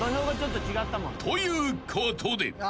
ということで］